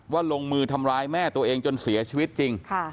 ลงมือทำร้ายแม่ตัวเองจนเสียชีวิตจริง